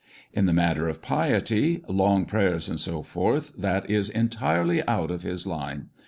In the matter of piety, long prayers, &c., that is entirely out of his line.